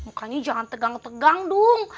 makanya jangan tegang tegang dong